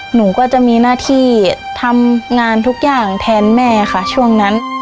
หนูก็จะมีหน้าที่ทำงานทุกอย่างแทนแม่ค่ะช่วงนั้น